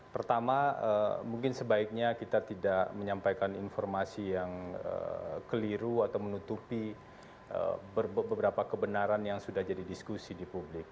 pertama mungkin sebaiknya kita tidak menyampaikan informasi yang keliru atau menutupi beberapa kebenaran yang sudah jadi diskusi di publik